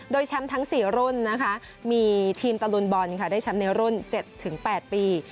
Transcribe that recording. โดยแชมป์ทั้ง๔รุ่นมีทีมตลุลบอล๗๘ปี